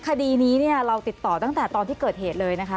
คดีนี้เนี่ยเราติดต่อตั้งแต่ตอนที่เกิดเหตุเลยนะคะ